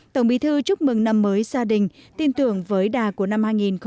tổng bí thư chúc mừng năm mới gia đình tin tưởng với đà của năm hai nghìn hai mươi